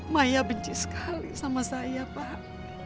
maya benci sekali sama saya pak